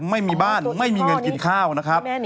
ไม่มีบ้านไม่มีเงินกินข้าวนะครับ